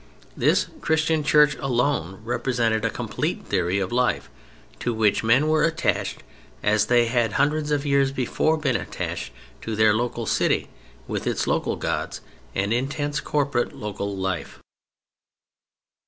This Christian Church alone represented a complete theory of life, to which men were attached, as they had hundreds of years before been attached to their local city, with its local gods and intense corporate local life.